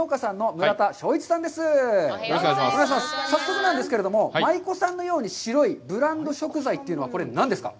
早速なんですけれども、舞妓さんのように白いブランド食材というのは、これ、何ですか？